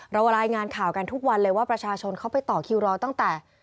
รายงานข่าวกันทุกวันเลยว่าประชาชนเขาไปต่อคิวรอตั้งแต่